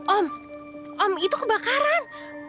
om om itu kebakaran